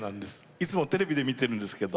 いつもテレビで見てるんですけど。